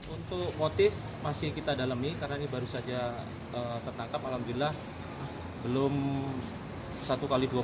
untuk motif masih kita dalami karena ini baru saja tertangkap alhamdulillah